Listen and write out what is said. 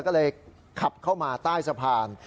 ก็เลยขับเข้ามาใต้สะพาน